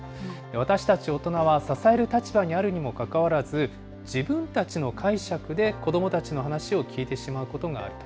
私たち大人は、支える立場にあるにもかかわらず、自分たちの解釈で子どもたちの話を聞いてしまうことがあると。